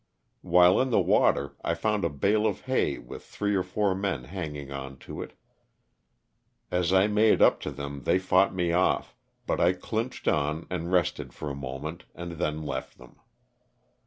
While in the water I found a bale of hay with three or four men hanging on to it. As I made up to them they fought me off, but I clinched on and rested for a moment and then left them.